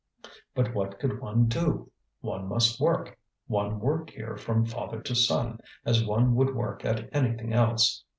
But what could one do? One must work; one worked here from father to son, as one would work at anything else.